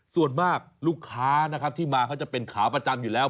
ส่วนมากลูกค้านะครับที่มาเขาจะเป็นขาประจำอยู่แล้ว